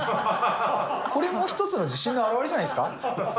これも一つの自信の表れじゃないですか。